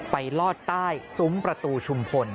ลอดใต้ซุ้มประตูชุมพล